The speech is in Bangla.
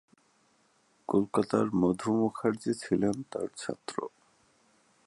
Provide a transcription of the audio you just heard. কলকাতার মধু মুখার্জি ছিলেন তার ছাত্র।